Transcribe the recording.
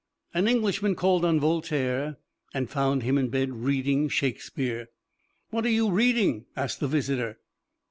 An Englishman called on Voltaire and found him in bed reading Shakespeare. "What are you reading?" asked the visitor.